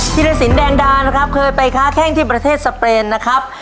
ธิรสินแดงดานะครับเคยไปค้าแข้งที่ประเทศสเปนนะครับ